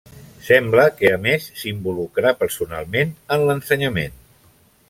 Sembla que a més s'involucrà personalment en l'ensenyament.